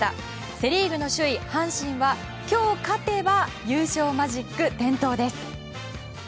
セリーグの首位、阪神は今日勝てば優勝マジック点灯です。